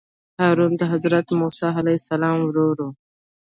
هارون د حضرت موسی علیه السلام ورور وو.